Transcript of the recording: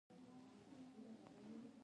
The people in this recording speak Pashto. د موټر تېزه رڼا يې پر سترګو ولګېده.